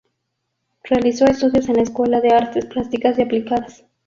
Realizó estudios en la Escuela de Artes Plásticas y Aplicadas.